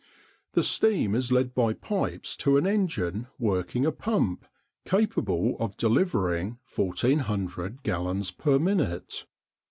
The steam is led by pipes to an engine working a pump, capable of delivering 1400 gallons per minute.